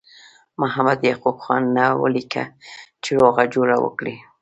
محمد یعقوب خان ته ولیکه چې روغه جوړه وکړي.